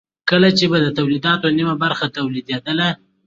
کله به چې د تولیداتو نیمه برخه تولیدېدله